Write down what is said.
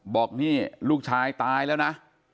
บอกนี่ลูกชายตายแล้วนะ